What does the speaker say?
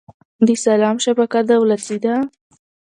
د سلام شبکه دولتي ده؟